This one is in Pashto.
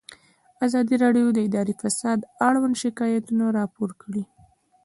ازادي راډیو د اداري فساد اړوند شکایتونه راپور کړي.